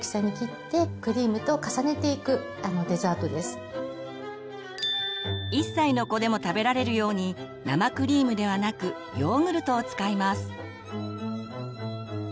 最初は１歳の子でも食べられるように生クリームではなくヨーグルトを使います。